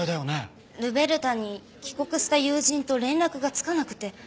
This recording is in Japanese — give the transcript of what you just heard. ルベルタに帰国した友人と連絡がつかなくて。